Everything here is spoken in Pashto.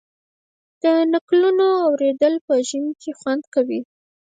د نکلونو اوریدل په ژمي کې خوند کوي.